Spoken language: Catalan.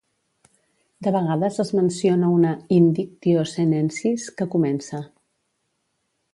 De vegades es menciona una "indictio Senensis" que comença.